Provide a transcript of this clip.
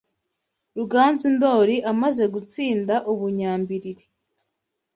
Ruganzu Ndoli, amaze gutsinda u Bunyambilili